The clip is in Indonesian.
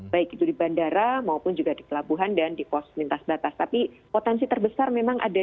baik itu di bandara maupun juga di pelabuhan dan di pos lintas batas tapi potensi terbesar memang ada